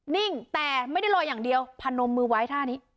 นิ่งแต่ไม่ได้ลอยอย่างเดียวพนมมือไว้ท่านี้